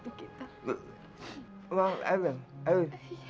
yu kangen sama erwin